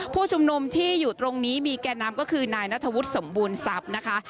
ผู้ชุมนุมที่อยู่ตรงนี้มีแก่นำก็คือนายนัทวุฒิสมบูรณทรัพย์นะคะ